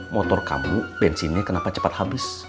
motor kamu bensinnya kenapa cepat habis